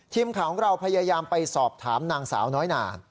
ทีมข่าวของเราพยายามไปสอบถามนางสาวน้อยหนา